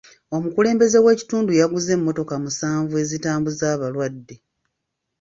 Omukulembeze w'ekitundu yaguzze emmotoka musanvu ezitambuza abalwadde.